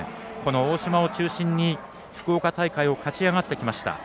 大嶋を中心に福岡大会を勝ち上がってきました。